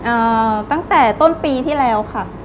ตั้งแต่ต้นปีที่แล้วค่ะ